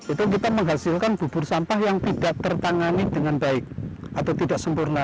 itu kita menghasilkan bubur sampah yang tidak tertangani dengan baik atau tidak sempurna